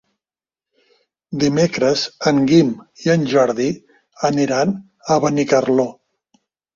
Dimecres en Guim i en Jordi aniran a Benicarló.